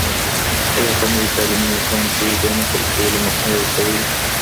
آیا په نوي تعلیمي نظام کي د نقل کولو مخنیوی سوی دی؟